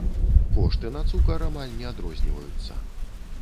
Кошты на цукар амаль не адрозніваюцца.